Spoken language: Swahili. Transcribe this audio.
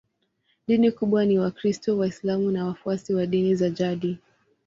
Dini kubwa ni Wakristo, Waislamu na wafuasi wa dini za jadi.